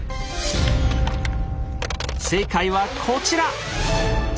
正解はこちら！